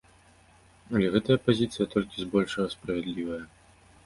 Але гэтая пазіцыя толькі збольшага справядлівая.